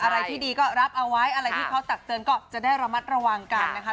อะไรที่ดีก็รับเอาไว้อะไรที่เขาตักเตือนก็จะได้ระมัดระวังกันนะคะ